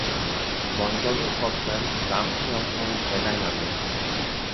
"Bądź dobrym chłopcem, zamknij okno i czekaj na mnie."